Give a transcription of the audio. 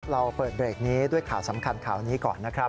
เราเปิดเบรกนี้ด้วยข่าวสำคัญข่าวนี้ก่อนนะครับ